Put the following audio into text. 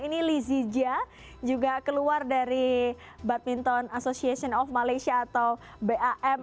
ini lizia juga keluar dari badminton association of malaysia atau bam